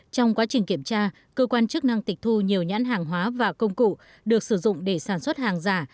trong quá trình kiểm tra cơ quan chức năng tịch thu nhiều nhãn hàng hóa và công cụ được sử dụng để sản xuất hàng giả